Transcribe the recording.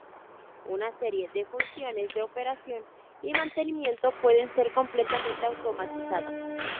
Una serie de funciones de operación y mantenimiento pueden ser completamente automatizadas.